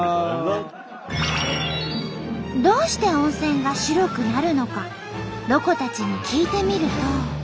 どうして温泉が白くなるのかロコたちに聞いてみると。